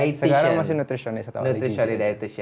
sekarang masih nutritionist atau aligis